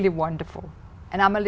vì vậy chúng tôi